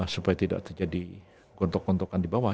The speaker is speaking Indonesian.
supaya tidak terjadi gontok gontokan di bawah